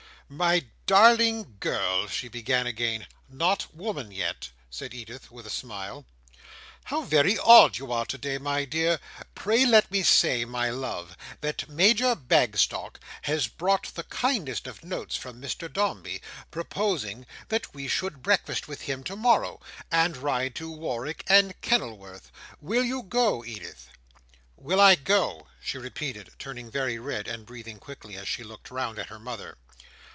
"My darling girl," she began again. "Not woman yet?" said Edith, with a smile. "How very odd you are today, my dear! Pray let me say, my love, that Major Bagstock has brought the kindest of notes from Mr Dombey, proposing that we should breakfast with him to morrow, and ride to Warwick and Kenilworth. Will you go, Edith?" "Will I go!" she repeated, turning very red, and breathing quickly as she looked round at her mother.